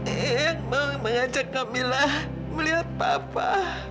ayang mau mengajak kamila melihat papa